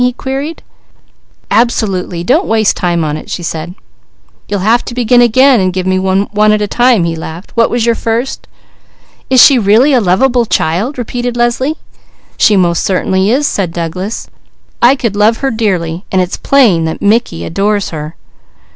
he queried. "Absolutely! Don't waste time on it," she said. "You'll have to begin again and ask me one at a time," he laughed. "What was your first?" "Is she really a lovable child?" repeated Leslie. "She most certainly is," said Douglas. "I could love her dearly. It's plain that Mickey adores her.